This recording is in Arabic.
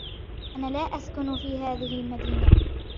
أنا لا أسكن في هذه المدينة.